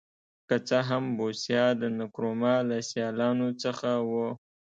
که څه هم بوسیا د نکرومه له سیالانو څخه و.